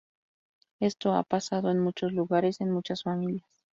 Esto ha pasado en muchos lugares, en muchas familias.